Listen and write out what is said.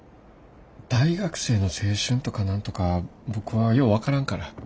大学生の青春とか何とか僕はよう分からんから。